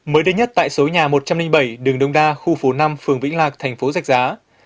mới đến nhất tại số nhà một trăm linh bảy đường đông đa khu phố năm phường vĩnh hạc thành phố rạch giá